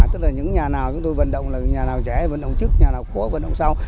tức là những nhà nào chúng tôi vận động là nhà nào dễ vận động trước nhà nào khó vận động sau